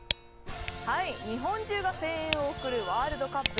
日本中が声援を送るワールドカップ。